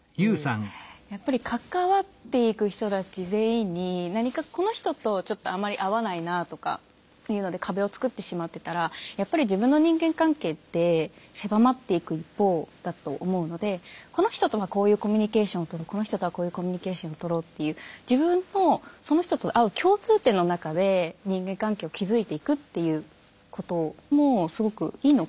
やっぱり関わっていく人たち全員に何かこの人とちょっとあまり合わないなとかいうので壁を作ってしまってたらやっぱり自分の人間関係って狭まっていく一方だと思うのでこの人とはこういうコミュニケーションを取るこの人とはこういうコミュニケーションを取ろうっていうっていうこともすごくいいのかなと思います。